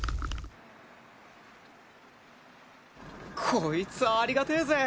こいつぁありがてえぜ。